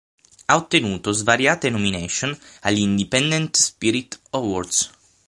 Ha ottenuto svariate nomination agli Independent Spirit Awards.